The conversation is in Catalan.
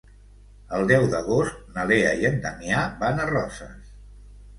El deu d'agost na Lea i en Damià van a Roses.